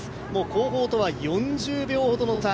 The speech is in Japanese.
後方とは４０秒ほどの差。